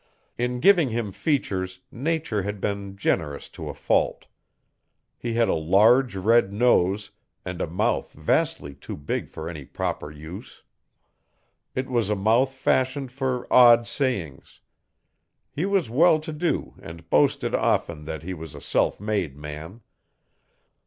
In giving him features Nature had been generous to a fault. He had a large red nose, and a mouth vastly too big for any proper use. It was a mouth fashioned for odd sayings. He was well to do and boasted often that he was a self made man.